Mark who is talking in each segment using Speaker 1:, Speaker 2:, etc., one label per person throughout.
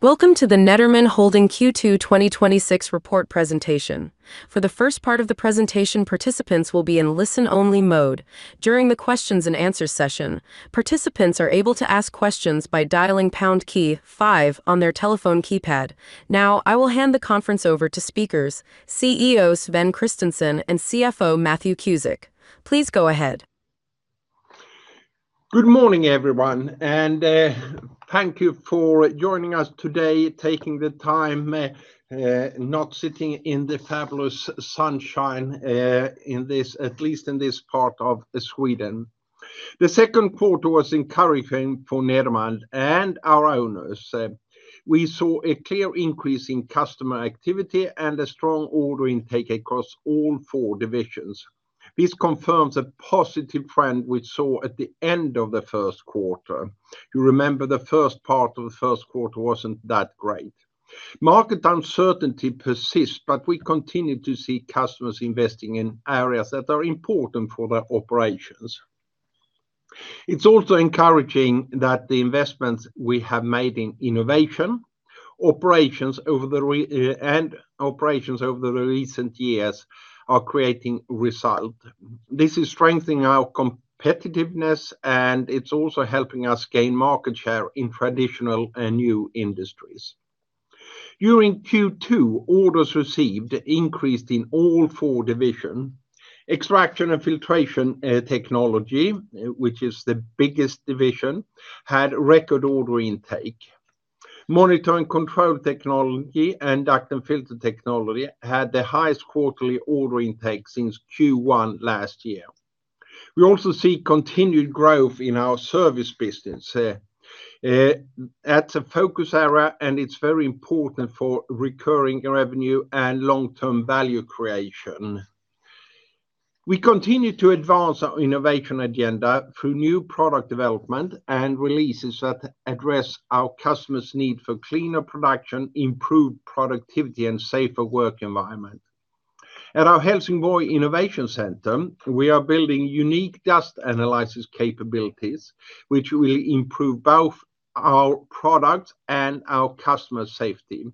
Speaker 1: Welcome to the Nederman Holding Q2 2026 report presentation. For the first part of the presentation, participants will be in listen-only mode. During the questions and answers session, participants are able to ask questions by dialing pound key five on their telephone keypad. Now, I will hand the conference over to speakers, CEO Sven Kristensson and CFO Matthew Cusick. Please go ahead.
Speaker 2: Good morning, everyone. Thank you for joining us today, taking the time, not sitting in the fabulous sunshine, at least in this part of the Sweden. The second quarter was encouraging for Nederman and our owners. We saw a clear increase in customer activity and a strong order intake across all four divisions. This confirms a positive trend we saw at the end of the first quarter. You remember the first part of the first quarter wasn't that great. Market uncertainty persists. We continue to see customers investing in areas that are important for their operations. It's also encouraging that the investments we have made in innovation and operations over the recent years are creating result. This is strengthening our competitiveness. It's also helping us gain market share in traditional and new industries. During Q2, orders received increased in all four divisions. Extraction & Filtration Technology, which is the biggest division, had record order intake. Monitoring & Control Technology and Duct & Filter Technology had their highest quarterly order intake since Q1 last year. We also see continued growth in our service business. That's a focus area. It's very important for recurring revenue and long-term value creation. We continue to advance our innovation agenda through new product development and releases that address our customers' need for cleaner production, improved productivity, and safer work environment. At our Helsingborg Innovation Centre, we are building unique dust analysis capabilities, which will improve both our product and our customers' safety.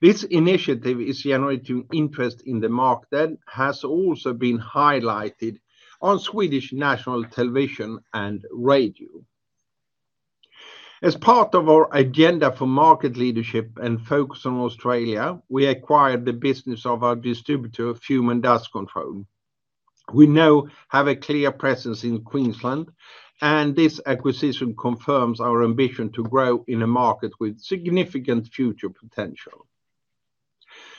Speaker 2: This initiative is generating interest in the market, has also been highlighted on Swedish national television and radio. As part of our agenda for market leadership and focus on Australia, we acquired the business of our distributor, Fume & Dust Control. We now have a clear presence in Queensland. This acquisition confirms our ambition to grow in a market with significant future potential.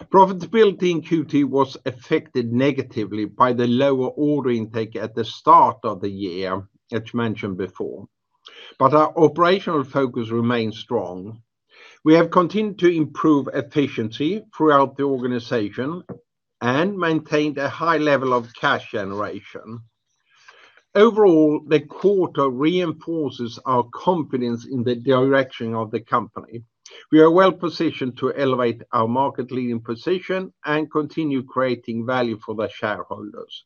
Speaker 2: Profitability in Q2 was affected negatively by the lower order intake at the start of the year, as mentioned before. Our operational focus remains strong. We have continued to improve efficiency throughout the organization and maintained a high level of cash generation. Overall, the quarter reinforces our confidence in the direction of the company. We are well-positioned to elevate our market-leading position and continue creating value for the shareholders.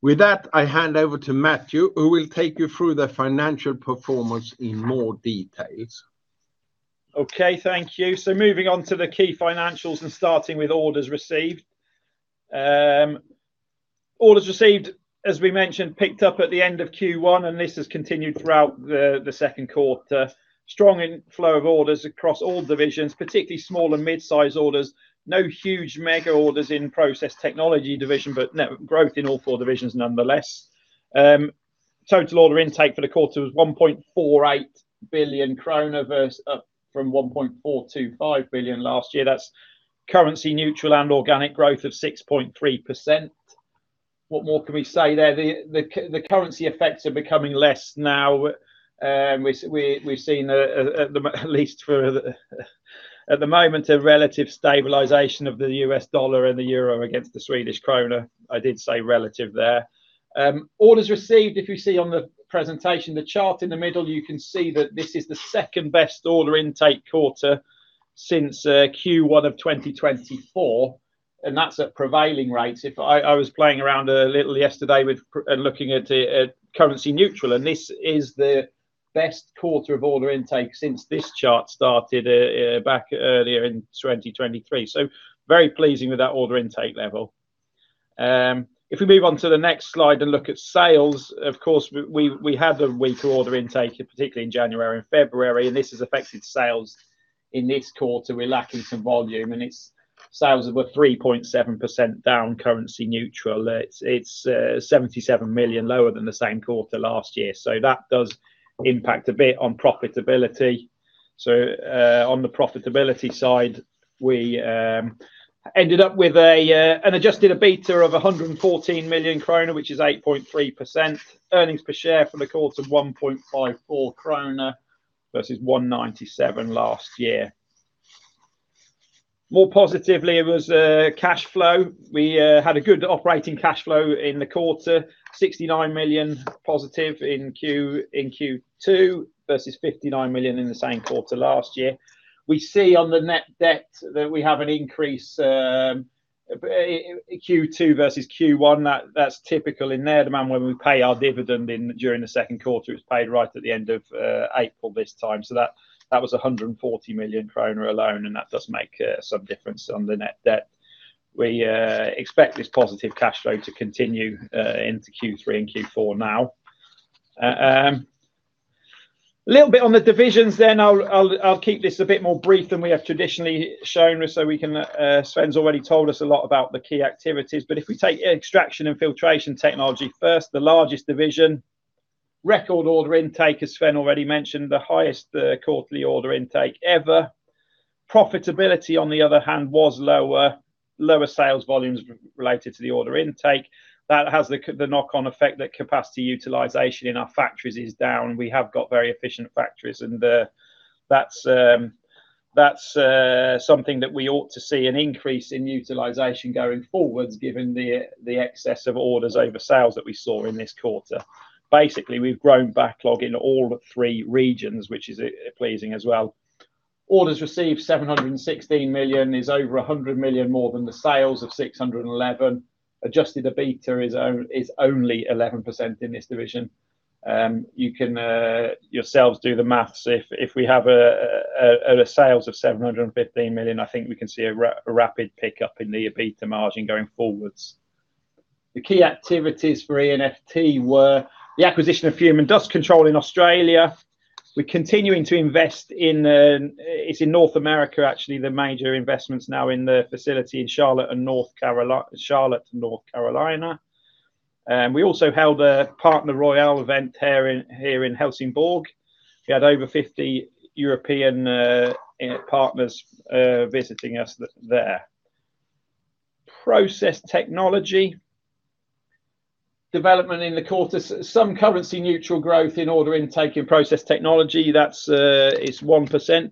Speaker 2: With that, I hand over to Matthew, who will take you through the financial performance in more details.
Speaker 3: Okay, thank you. Moving on to the key financials and starting with orders received. Orders received, as we mentioned, picked up at the end of Q1, and this has continued throughout the second quarter. Strong inflow of orders across all divisions, particularly small and mid-size orders. No huge mega orders in Process Technology division, but growth in all four divisions, nonetheless. Total order intake for the quarter was 1.48 billion krona versus up from 1.425 billion last year. That's currency-neutral and organic growth of 6.3%. What more can we say there? The currency effects are becoming less now. We've seen, at least at the moment, a relative stabilization of the U.S. dollar and the euro against the Swedish krona. I did say relative there. Orders received, if you see on the presentation, the chart in the middle, you can see that this is the second-best order intake quarter since Q1 of 2024, and that's at prevailing rates. I was playing around a little yesterday with looking at currency neutral, and this is the best quarter of order intake since this chart started back earlier in 2023. Very pleasing with that order intake level. If we move on to the next slide and look at sales, of course, we had a weaker order intake, particularly in January and February, this has affected sales in this quarter. We're lacking some volume. Its sales were 3.7% down currency neutral. It's 77 million lower than the same quarter last year, so that does impact a bit on profitability. On the profitability side, we ended up with an adjusted EBITA of 114 million kronor, which is 8.3%. Earnings per share for the quarter, 1.54 kronor versus 1.97 last year. More positively was cash flow. We had a good operating cash flow in the quarter, +69 million in Q2 versus 59 million in the same quarter last year. We see on the net debt that we have an increase Q2 versus Q1, that's typical in Nederman when we pay our dividend during the second quarter. It's paid right at the end of April this time. That was 140 million kronor alone, and that does make some difference on the net debt. We expect this positive cash flow to continue into Q3 and Q4 now. A little bit on the divisions. I'll keep this a bit more brief than we have traditionally shown, Sven's already told us a lot about the key activities. If we take Extraction & Filtration Technology first, the largest division, record order intake, as Sven already mentioned, the highest quarterly order intake ever. Profitability, on the other hand, was lower. Lower sales volumes related to the order intake. That has the knock-on effect that capacity utilization in our factories is down. We have got very efficient factories, and that's something that we ought to see an increase in utilization going forwards given the excess of orders over sales that we saw in this quarter. Basically, we've grown backlog in all three regions, which is pleasing as well. Orders received 716 million is over 100 million more than the sales of 611 million. Adjusted EBITA is only 11% in this division. You can yourselves do the maths. If we have a sales of 715 million, I think we can see a rapid pickup in the EBITDA margin going forwards. The key activities for E&FT were the acquisition of Fume & Dust Control in Australia. We're continuing to invest in North America, actually, the major investments now in the facility in Charlotte, North Carolina. We also held a Partner Royale event here in Helsingborg. We had over 50 European partners visiting us there. Process Technology development in the quarter. Some currency-neutral growth in order intake and Process Technology. That is 1%.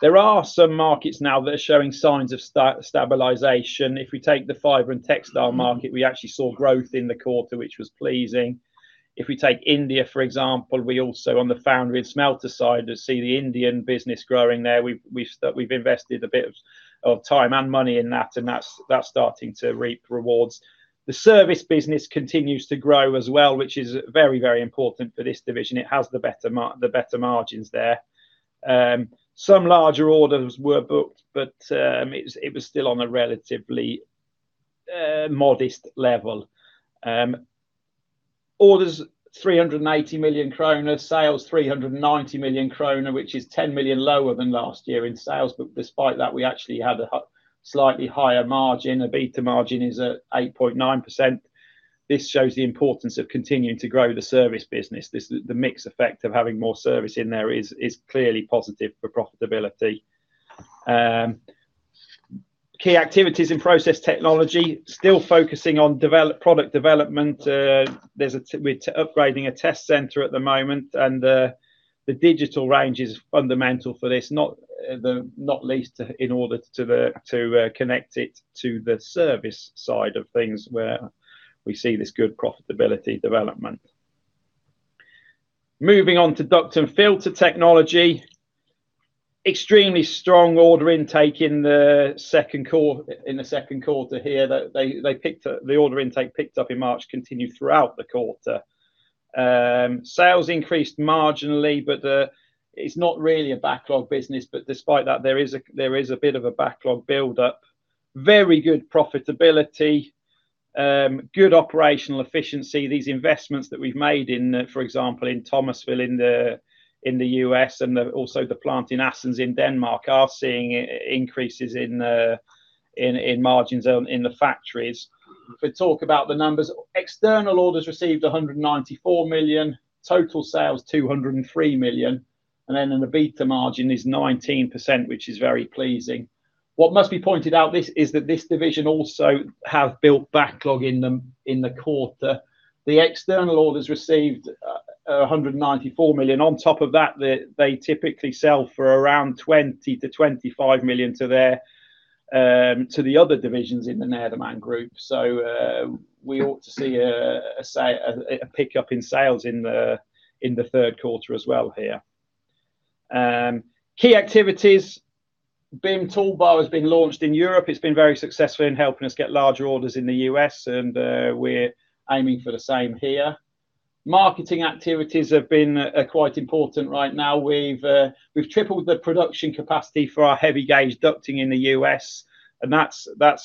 Speaker 3: There are some markets now that are showing signs of stabilization. If we take the fiber and textile market, we actually saw growth in the quarter, which was pleasing. If we take India, for example, we also, on the foundry and smelter side, see the Indian business growing there. We've invested a bit of time and money in that, and that's starting to reap rewards. The service business continues to grow as well, which is very, very important for this division. It has the better margins there. Some larger orders were booked, but it was still on a relatively modest level. Orders 380 million kronor, sales 390 million kronor, which is 10 million lower than last year in sales. Despite that, we actually had a slightly higher margin. EBITDA margin is at 8.9%. This shows the importance of continuing to grow the service business. The mix effect of having more service in there is clearly positive for profitability. Key activities in Process Technology, still focusing on product development. We're upgrading a test center at the moment, and the digital range is fundamental for this, not least in order to connect it to the service side of things where we see this good profitability development. Moving on to Duct & Filter Technology. Extremely strong order intake in the second quarter here. The order intake picked up in March continued throughout the quarter. Sales increased marginally, but it's not really a backlog business. Despite that, there is a bit of a backlog buildup. Very good profitability, good operational efficiency. These investments that we've made in, for example, in Thomasville in the U.S. and also the plant in Assens, in Denmark, are seeing increases in margins in the factories. If we talk about the numbers, external orders received 194 million, total sales 203 million, and then an EBITDA margin is 19%, which is very pleasing. What must be pointed out is that this division also have built backlog in the quarter. The external orders received 194 million. On top of that, they typically sell for around 20 million-25 million to the other divisions in the Nederman Group. We ought to see a pickup in sales in the third quarter as well here. Key activities, BIM Toolbar has been launched in Europe. It's been very successful in helping us get larger orders in the U.S. We're aiming for the same here. Marketing activities have been quite important right now. We've tripled the production capacity for our heavy gauge ducting in the U.S. That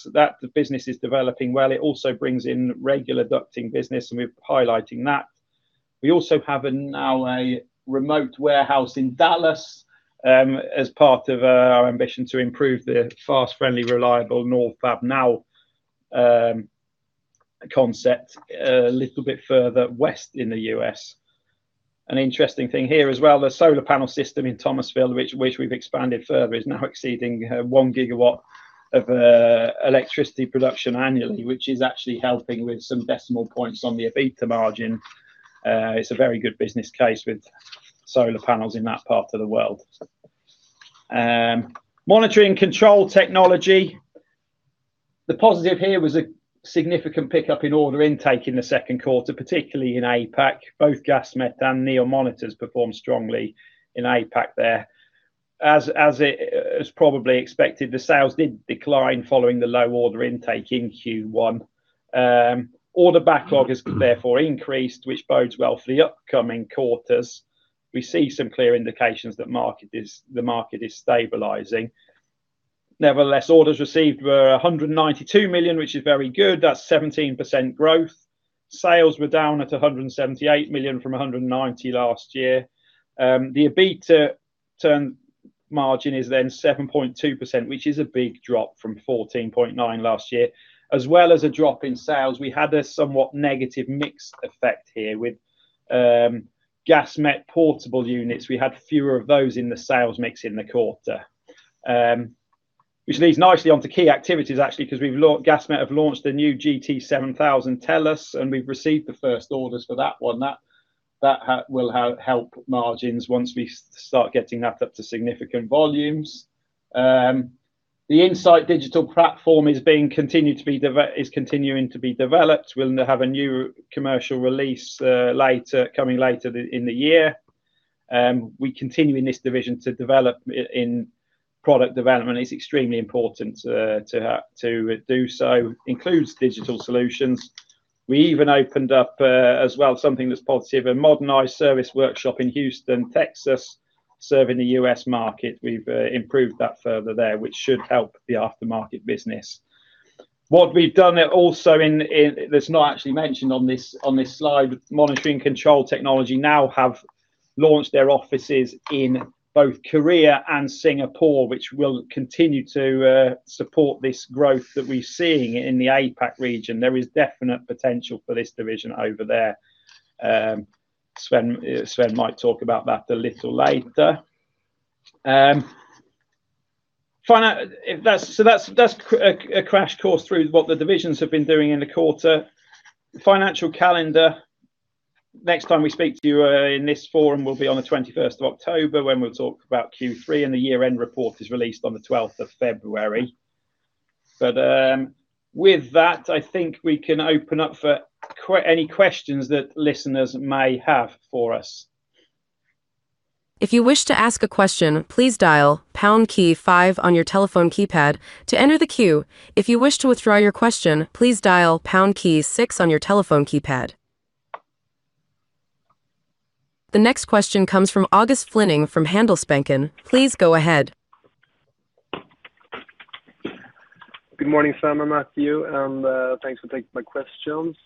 Speaker 3: business is developing well. It also brings in regular ducting business, and we're highlighting that. We also have now a remote warehouse in Dallas as part of our ambition to improve the fast, friendly, reliable Nordfab Now concept a little bit further west in the U.S. An interesting thing here as well, the solar panel system in Thomasville, which we've expanded further, is now exceeding 1 GW of electricity production annually, which is actually helping with some decimal points on the EBITDA margin. It's a very good business case with solar panels in that part of the world. Monitoring & Control Technology, the positive here was a significant pickup in order intake in the second quarter, particularly in APAC. Both Gasmet and NEO Monitors performed strongly in APAC there. As probably expected, the sales did decline following the low order intake in Q1. Order backlog has therefore increased, which bodes well for the upcoming quarters. We see some clear indications the market is stabilizing. Nevertheless, orders received were 192 million, which is very good. That's 17% growth. Sales were down at 178 million from 190 million last year. The EBITDA margin is then 7.2%, which is a big drop from 14.9% last year. As well as a drop in sales, we had a somewhat negative mix effect here with Gasmet portable units. We had fewer of those in the sales mix in the quarter, which leads nicely onto key activities actually, because Gasmet have launched the new GT7000 Tellus, and we've received the first orders for that one. That will help margins once we start getting that up to significant volumes. The Insight Digital Platform is continuing to be developed. We'll have a new commercial release coming later in the year. We continue in this division to develop in product development. It's extremely important to do so, includes digital solutions. We even opened up, as well, something that's positive, a modernized service workshop in Houston, Texas, serving the U.S. market. We've improved that further there, which should help the aftermarket business. What we've done also, that's not actually mentioned on this slide, Monitoring & Control Technology now have launched their offices in both Korea and Singapore, which will continue to support this growth that we're seeing in the APAC region. There is definite potential for this division over there. Sven might talk about that a little later. That's a crash course through what the divisions have been doing in the quarter. Financial calendar, next time we speak to you in this forum will be on the 21st of October when we'll talk about Q3, and the year-end report is released on the 12th of February. With that, I think we can open up for any questions that listeners may have for us.
Speaker 1: If you wish to ask a question, please dial pound key five on your telephone keypad to enter the queue. If you wish to withdraw your question, please dial pound key six on your telephone keypad. The next question comes from August Flyning from Handelsbanken. Please go ahead.
Speaker 4: Good morning, Sven and Matthew, and thanks for taking my questions.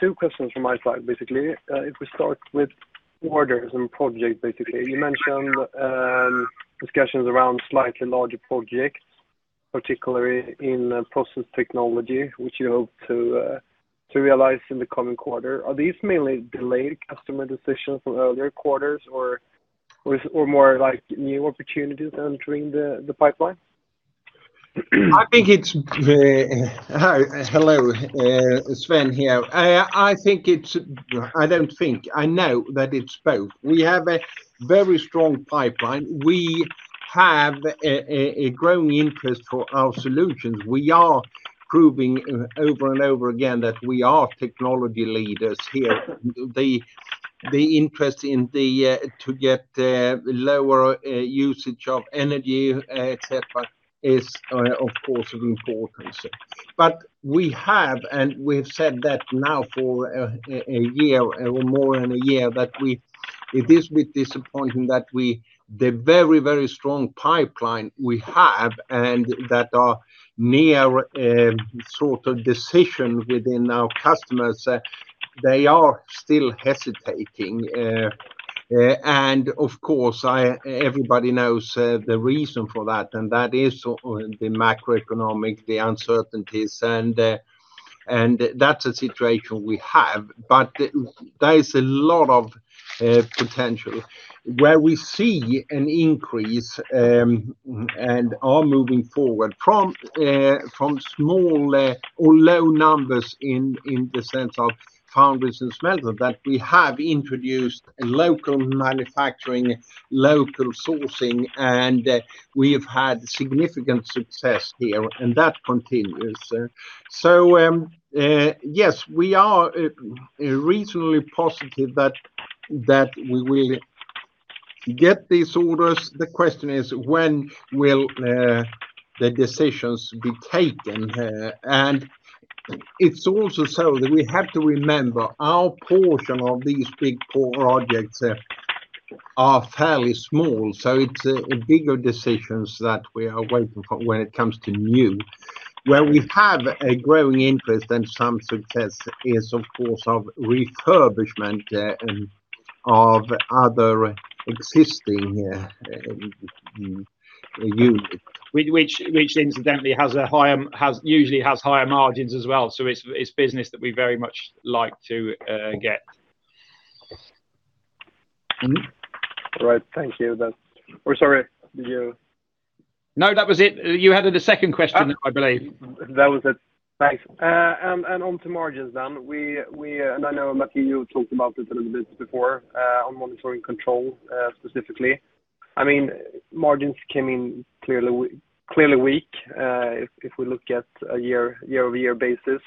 Speaker 4: Two questions from my side, basically. We start with orders and projects, you mentioned discussions around slightly larger projects, particularly in Process Technology, which you hope to realize in the coming quarter. Are these mainly delayed customer decisions from earlier quarters or more new opportunities entering the pipeline?
Speaker 2: Hello. Sven here. I know that it's both. We have a very strong pipeline. We have a growing interest for our solutions. We are proving over and over again that we are technology leaders here. The interest to get lower usage of energy, et cetera, is of course of importance. We have, and we've said that now for a year, or more than a year, that it is a bit disappointing that the very, very strong pipeline we have and that are near decision within our customers, they are still hesitating. Of course, everybody knows the reason for that, and that is the macroeconomic, the uncertainties, and that's the situation we have. There is a lot of potential. Where we see an increase and are moving forward from small or low numbers in the sense of foundries and smelters, that we have introduced local manufacturing, local sourcing, and we've had significant success here, and that continues. Yes, we are reasonably positive that we will get these orders. The question is, when will the decisions be taken? It's also so that we have to remember our portion of these big projects are fairly small. It's bigger decisions that we are waiting for when it comes to new. Where we have a growing interest and some success is of course of refurbishment of other existing units.
Speaker 3: Which incidentally usually has higher margins as well, so it's business that we very much like to get.
Speaker 4: All right. Thank you then. Sorry, did you?
Speaker 3: No, that was it. You had a second question, I believe.
Speaker 4: That was it. Thanks. Onto margins then. I know, Matthew, you talked about it a little bit before, on Monitoring & Control, specifically. Margins came in clearly weak, if we look at a year-over-year basis.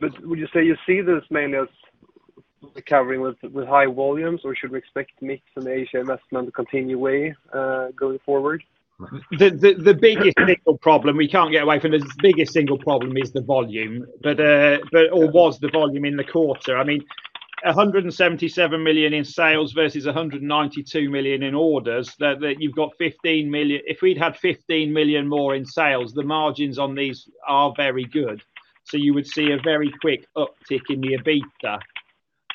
Speaker 4: Would you say you see this mainly as recovering with high volumes, or should we expect mix and Asia investment to continue going forward?
Speaker 3: The biggest single problem we can't get away from is the volume, or was the volume in the quarter. I mean, 177 million in sales versus 192 million in orders, if we'd had 15 million more in sales, the margins on these are very good. You would see a very quick uptick in the EBITDA.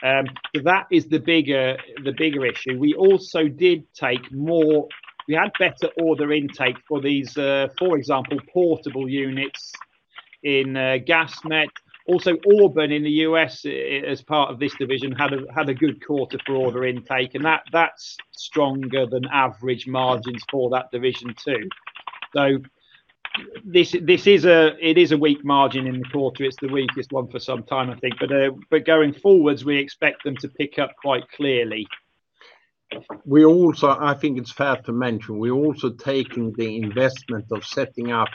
Speaker 3: That is the bigger issue. We had better order intake for these, for example, portable units in Gasmet. Also, Auburn in the U.S. as part of this division had a good quarter for order intake, and that's stronger than average margins for that division too. It is a weak margin in the quarter. It's the weakest one for some time, I think. Going forwards, we expect them to pick up quite clearly.
Speaker 2: I think it's fair to mention we're also taking the investment of setting up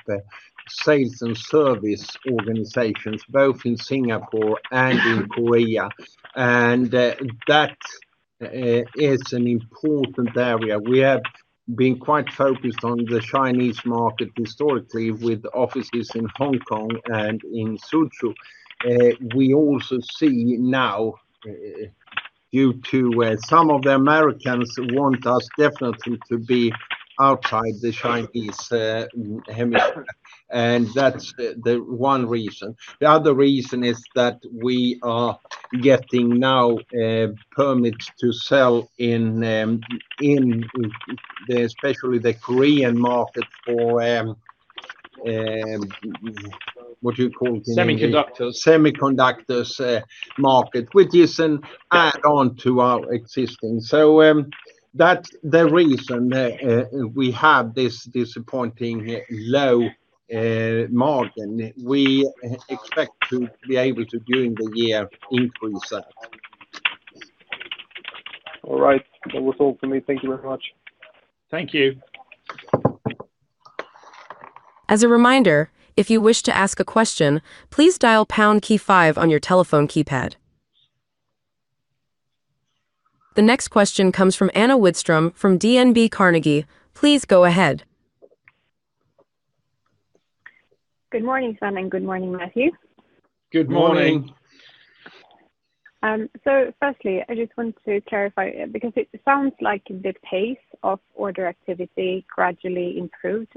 Speaker 2: sales and service organizations both in Singapore and in Korea. That is an important area. We have been quite focused on the Chinese market historically, with offices in Hong Kong and in Suzhou. We also see now due to some of the Americans want us definitely to be outside the Chinese hemisphere. That's the one reason. The other reason is that we are getting now permits to sell in especially the Korean market for, what do you call it?
Speaker 3: Semiconductors.
Speaker 2: Semiconductors market, which is an add-on to our existing. That's the reason we have this disappointing low margin. We expect to be able to, during the year, increase that.
Speaker 4: All right. That was all for me. Thank you very much.
Speaker 3: Thank you.
Speaker 1: As a reminder, if you wish to ask a question, please dial pound key five on your telephone keypad. The next question comes from Anna Widström from DNB Carnegie. Please go ahead.
Speaker 5: Good morning, Sven, and good morning, Matthew.
Speaker 3: Good morning.
Speaker 2: Good morning.
Speaker 5: Firstly, I just want to clarify, because it sounds like the pace of order activity gradually improved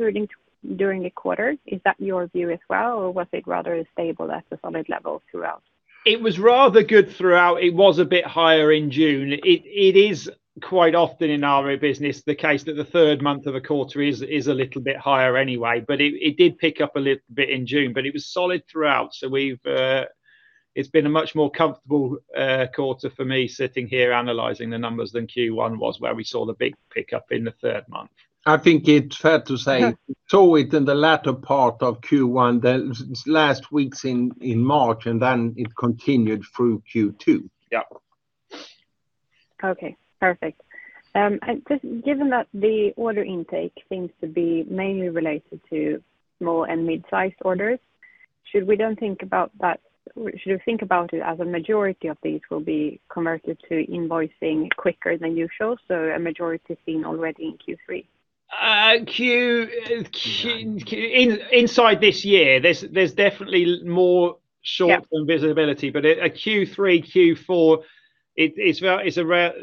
Speaker 5: during the quarter. Is that your view as well, or was it rather stable at a solid level throughout?
Speaker 3: It was rather good throughout. It was a bit higher in June. It is quite often in our business, the case that the third month of a quarter is a little bit higher anyway. It did pick up a little bit in June, but it was solid throughout. It's been a much more comfortable quarter for me sitting here analyzing the numbers than Q1 was, where we saw the big pickup in the third month.
Speaker 2: I think it's fair to say we saw it in the latter part of Q1, the last weeks in March, and then it continued through Q2.
Speaker 3: Yeah.
Speaker 5: Okay. Perfect. Just given that the order intake seems to be mainly related to small and mid-sized orders, should we think about it as a majority of these will be converted to invoicing quicker than usual, so a majority seen already in Q3?
Speaker 3: Inside this year, there's definitely more short-term visibility, but a Q3, Q4,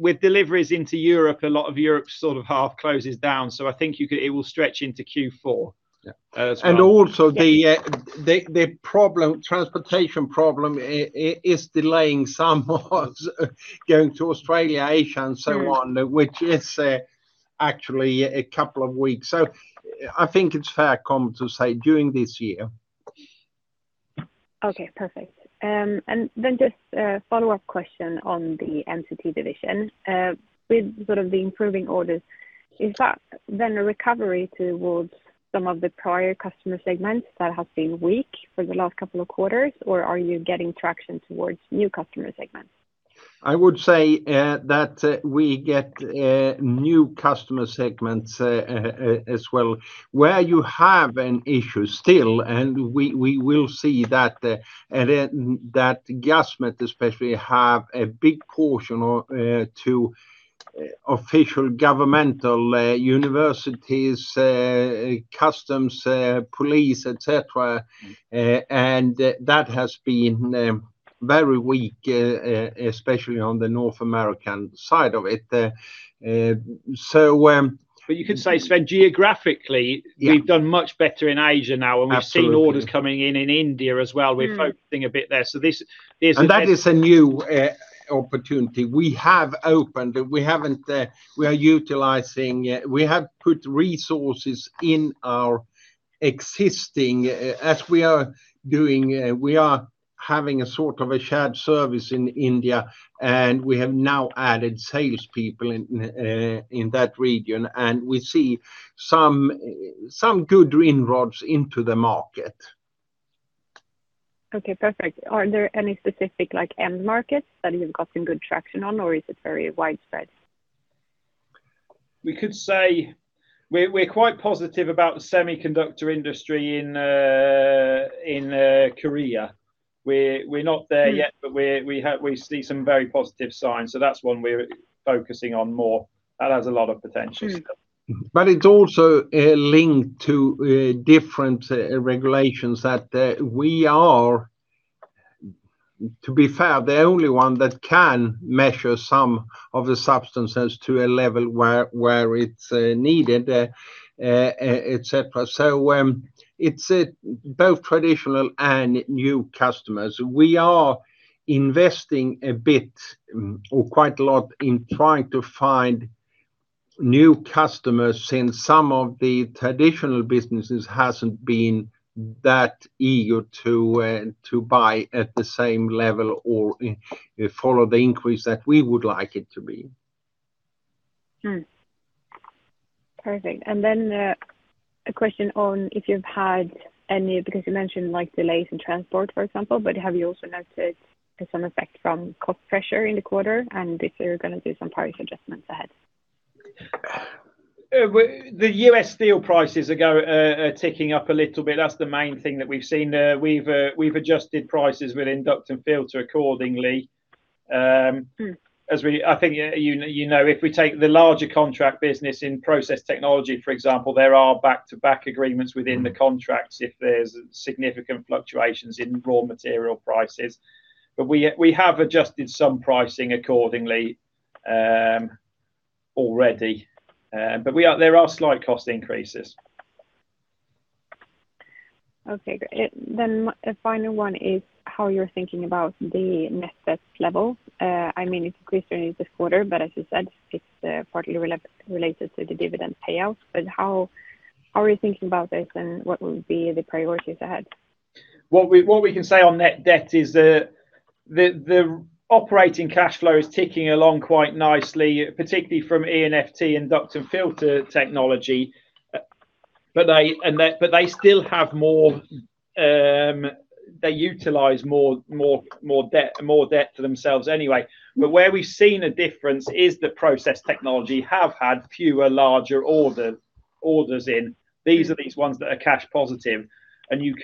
Speaker 3: with deliveries into Europe, a lot of Europe sort of half closes down, so I think it will stretch into Q4 as well.
Speaker 2: Also, the transportation problem is delaying some orders going to Australia, Asia, and so on, which is actually a couple of weeks. I think it's fair comment to say during this year.
Speaker 5: Okay, perfect. Just a follow-up question on the E&FT division. With sort of the improving orders, is that then a recovery towards some of the prior customer segments that have been weak for the last couple of quarters, or are you getting traction towards new customer segments?
Speaker 2: I would say that we get new customer segments as well. Where you have an issue still, and we will see that Gasmet especially have a big portion to official governmental universities, customs, police, et cetera, and that has been very weak, especially on the North American side of it.
Speaker 3: You could say, Sven, geographically, we've done much better in Asia now.
Speaker 2: Absolutely.
Speaker 3: We've seen orders coming in India as well. We're focusing a bit there.
Speaker 2: That is a new opportunity. We have opened, we are utilizing, we have put resources in our existing, as we are doing, we are having a sort of a shared service in India, and we have now added salespeople in that region, and we see some good inroads into the market.
Speaker 5: Okay, perfect. Are there any specific end markets that you've gotten good traction on, or is it very widespread?
Speaker 3: We could say we're quite positive about the semiconductor industry in Korea. We're not there yet, but we see some very positive signs, so that's one we're focusing on more. That has a lot of potential still.
Speaker 2: It's also linked to different regulations that we are, to be fair, the only one that can measure some of the substances to a level where it's needed, et cetera. It's both traditional and new customers. We are investing a bit, or quite a lot, in trying to find new customers, since some of the traditional businesses hasn't been that eager to buy at the same level or follow the increase that we would like it to be.
Speaker 5: Perfect. A question on if you've had any, because you mentioned delays in transport, for example, but have you also noticed some effect from cost pressure in the quarter? If you're going to do some price adjustments ahead?
Speaker 3: The U.S. steel prices are ticking up a little bit. That's the main thing that we've seen. We've adjusted prices within Duct & Filter accordingly. I think you know, if we take the larger contract business in Process Technology, for example, there are back-to-back agreements within the contracts if there's significant fluctuations in raw material prices. We have adjusted some pricing accordingly already. There are slight cost increases.
Speaker 5: Okay, great. A final one is how you're thinking about the net debt level. I mean, it increased during this quarter, but as you said, it's partly related to the dividend payout. How are you thinking about this and what will be the priorities ahead?
Speaker 3: What we can say on net debt is the operating cash flow is ticking along quite nicely, particularly from E&FT and Duct & Filter Technology. They utilize more debt for themselves anyway. Where we've seen a difference is that Process Technology have had fewer larger orders in. These are these ones that are cash positive. You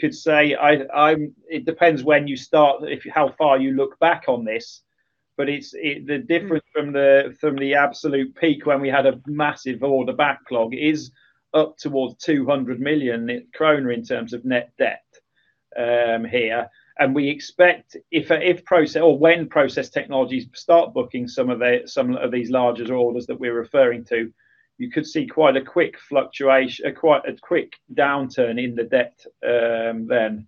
Speaker 3: could say it depends when you start, how far you look back on this, but the difference from the absolute peak when we had a massive order backlog is up towards 200 million kronor in terms of net debt here. We expect when Process Technology start booking some of these larger orders that we're referring to, you could see quite a quick downturn in the debt then.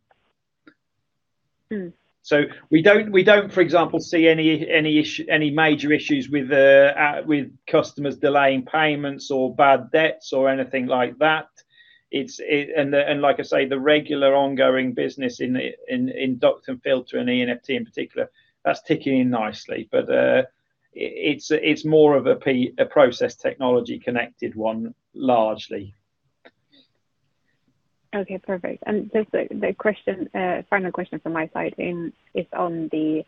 Speaker 3: We don't, for example, see any major issues with customers delaying payments or bad debts or anything like that. Like I say, the regular ongoing business in Duct & Filter and E&FT in particular, that's ticking in nicely. It's more of a Process Technology connected one, largely.
Speaker 5: Okay, perfect. Just the final question from my side is on the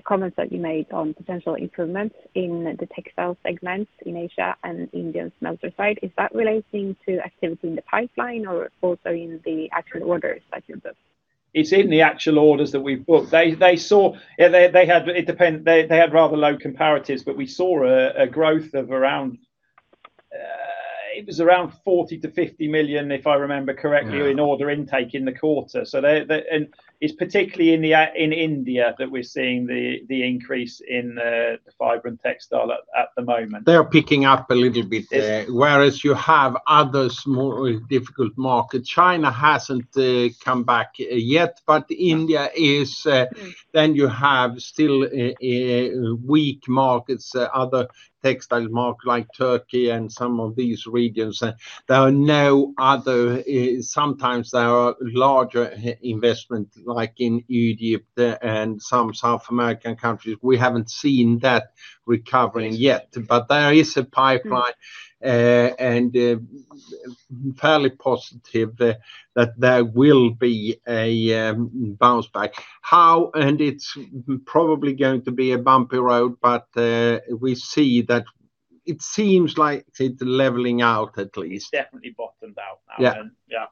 Speaker 5: comments that you made on potential improvements in the textile segment in Asia and India smelter site. Is that relating to activity in the pipeline or also in the actual orders that you book?
Speaker 3: It's in the actual orders that we've booked. They had rather low comparatives, but we saw a growth of around 40 million-50 million, if I remember correctly in order intake in the quarter. It's particularly in India that we're seeing the increase in the fiber and textile at the moment.
Speaker 2: They're picking up a little bit.
Speaker 3: Yes.
Speaker 2: You have other more difficult markets. China hasn't come back yet, but India is. You have still weak markets, other textile market like Turkey and some of these regions. There are no other, sometimes there are larger investments, like in Egypt and some South American countries. We haven't seen that recovering yet. There is a pipeline, and fairly positive that there will be a bounce back. How? It's probably going to be a bumpy road, but we see that it seems like it's leveling out at least.
Speaker 3: It's definitely bottomed out now.
Speaker 2: Yeah.
Speaker 3: Yeah.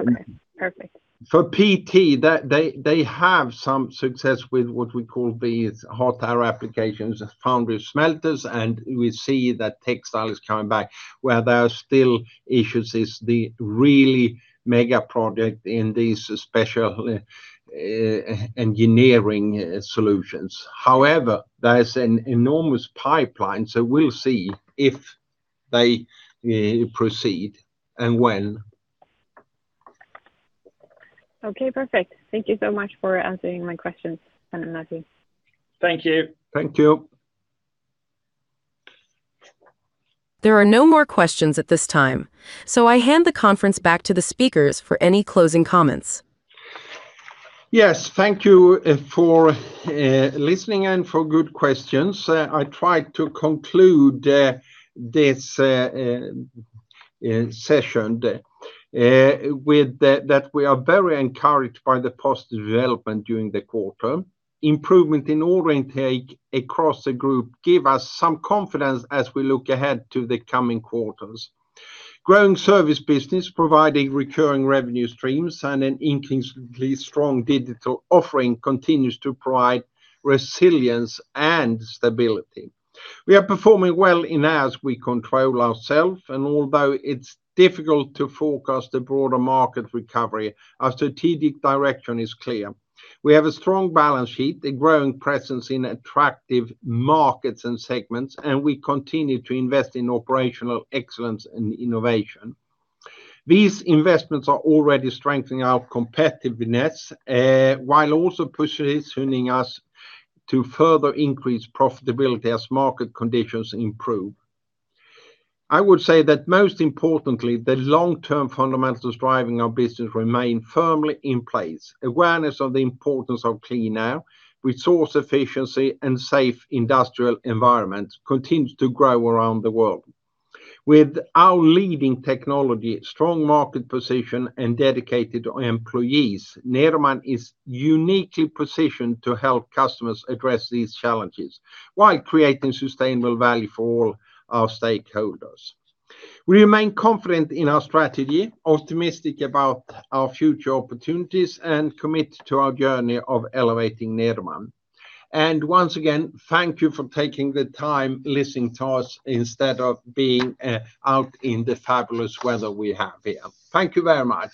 Speaker 5: Okay, perfect.
Speaker 2: For PT, they have some success with what we call these hot air applications, foundry smelters. We see that textile is coming back. Where there are still issues is the really mega project in these special engineering solutions. However, there is an enormous pipeline, so we'll see if they proceed and when.
Speaker 5: Okay, perfect. Thank you so much for answering my questions, Sven and Matthew.
Speaker 3: Thank you.
Speaker 2: Thank you.
Speaker 1: There are no more questions at this time, so I hand the conference back to the speakers for any closing comments.
Speaker 2: Yes, thank you for listening and for good questions. I try to conclude this session that we are very encouraged by the positive development during the quarter. Improvement in order intake across the group give us some confidence as we look ahead to the coming quarters. Growing service business providing recurring revenue streams and an increasingly strong digital offering continues to provide resilience and stability. We are performing well in as we control ourself, and although it's difficult to forecast the broader market recovery, our strategic direction is clear. We have a strong balance sheet, a growing presence in attractive markets and segments, and we continue to invest in operational excellence and innovation. These investments are already strengthening our competitiveness, while also positioning us to further increase profitability as market conditions improve. I would say that most importantly, the long-term fundamentals driving our business remain firmly in place. Awareness of the importance of clean air, resource efficiency, and safe industrial environment continues to grow around the world. With our leading technology, strong market position, and dedicated employees, Nederman is uniquely positioned to help customers address these challenges while creating sustainable value for all our stakeholders. We remain confident in our strategy, optimistic about our future opportunities, and commit to our journey of elevating Nederman. Once again, thank you for taking the time listening to us instead of being out in the fabulous weather we have here. Thank you very much